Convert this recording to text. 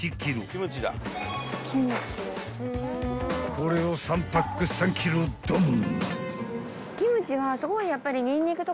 ［これを３パック３ｋｇドン］